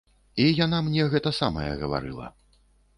І яна мне гэта самае гаварыла.